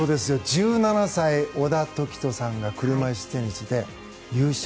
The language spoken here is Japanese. １７歳、小田凱人さんが車いすテニスで優勝。